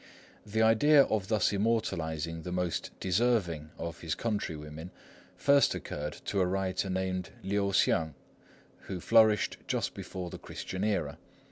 The idea of thus immortalising the most deserving of his countrywomen first occurred to a writer named Liu Hsiang, who flourished just before the Christian era.